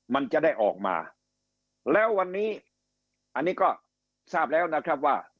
มันจะได้ออกมาแล้ววันนี้อันนี้ก็ทราบแล้วนะครับว่า